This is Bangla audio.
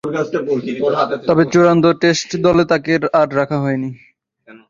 তবে চূড়ান্ত টেস্ট দলে তাকে আর রাখা হয়নি।